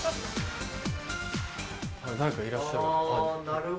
誰かいらっしゃる。